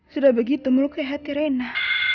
sudah begitu melukai hati rena